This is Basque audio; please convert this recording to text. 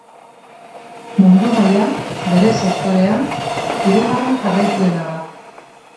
Mundu mailan, bere sektorean, hirugarren jarraituena da.